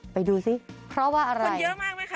ไปดูซิเพราะว่าอะไรคนเยอะมากไหมคะ